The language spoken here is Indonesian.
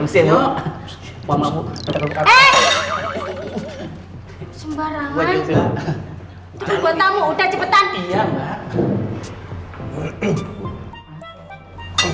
sembarangan buat kamu udah cepetan